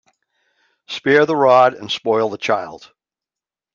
Spare the rod and spoil the child.